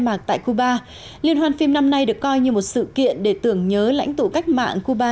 mạc tại cuba liên hoan phim năm nay được coi như một sự kiện để tưởng nhớ lãnh tụ cách mạng cuba